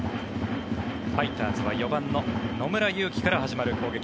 ファイターズは４番の野村佑希から始まる攻撃。